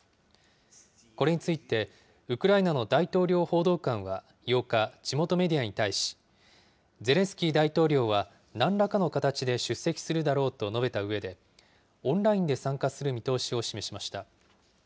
これについて、ウクライナの大統領報道官は８日、地元メディアに対し、ゼレンスキー大統領は、なんらかの形で出席するだろうと述べたうえで、オンラインで参加する見通しを示しました。